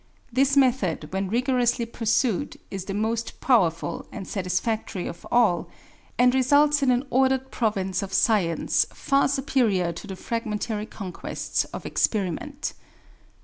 This method, when rigorously pursued, is the most powerful and satisfactory of all, and results in an ordered province of science far superior to the fragmentary conquests of experiment.